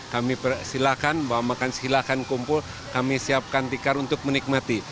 kami silakan bawa makan silakan kumpul kami siapkan tikar untuk menikmati